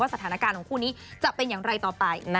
สถานการณ์ของคู่นี้จะเป็นอย่างไรต่อไป